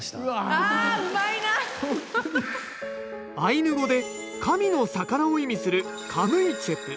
アイヌ語で神の魚を意味するカムイチェプ。